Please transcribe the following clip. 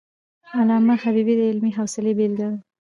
علامه حبيبي د علمي حوصلي بېلګه وو.